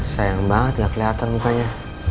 sayang banget gak kelihatan mukanya